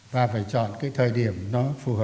ta phải chọn cái thời điểm nó phù hợp